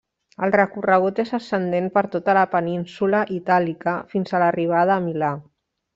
El recorregut és ascendent per tota la península Itàlica fins a l'arribada a Milà.